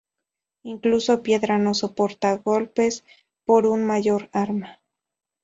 Incluso piedra no soportar golpes por un mayor arma.